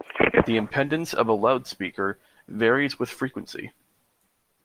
The impedance of a loudspeaker varies with frequency.